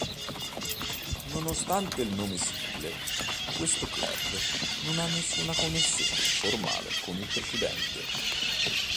Nonostante il nome simile, questo club non ha nessuna connessione formale con il precedente.